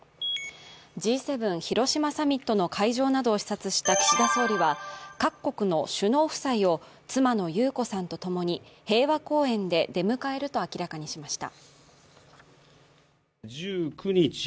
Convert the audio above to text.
Ｇ７広島サミットの会場などを視察した岸田総理は、各国の首脳夫妻を妻の裕子さんとともに平和公園で出迎えると明らかにしました。